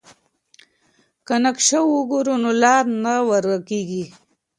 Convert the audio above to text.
که نقشه وګورو نو لار نه ورکيږي.